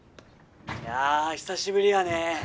いや久しぶりやね。